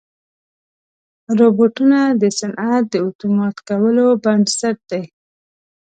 روبوټونه د صنعت د اتومات کولو بنسټ دي.